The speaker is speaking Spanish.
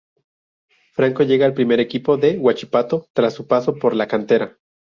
Franco llega al primer equipo de Huachipato tras su paso por la cantera.